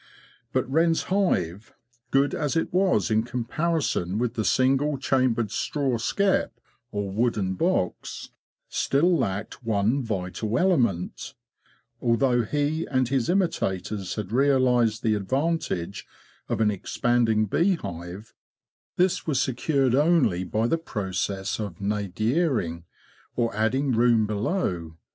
But Wren's hive, good as it was in comparison with the single chambered straw skep or wooden box, still lacked one vital element. Although he 218 THE BEE MASTER OF WARRILOW and his imitators had realised the advantage of an expanding bee hive, this was secured only by the process of ''nadiring,' or adding room below.